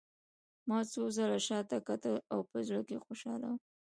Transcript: ما څو ځله شا ته کتل او په زړه کې خوشحاله وم